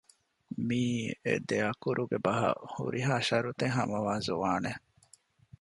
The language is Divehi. މީ އެދެއަކުރުގެ ބަހަށް ހުރިހާ ޝަރުތެއް ހަމަވާ ޒުވާނެއް